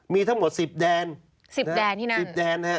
มีทั้งหมด๑๐แดน